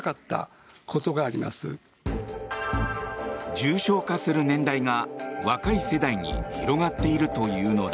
重症化する年代が若い世代に広がっているというのだ。